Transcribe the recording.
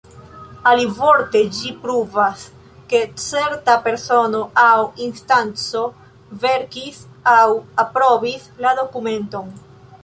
Alivorte ĝi pruvas, ke certa persono aŭ instanco verkis aŭ aprobis la dokumenton.